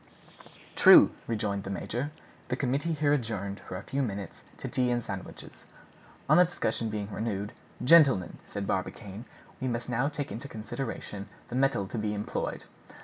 "True," rejoined the major. The committee here adjourned for a few minutes to tea and sandwiches. On the discussion being renewed, "Gentlemen," said Barbicane, "we must now take into consideration the metal to be employed.